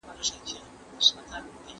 درواغجنه موسکا ساتو پر مخونو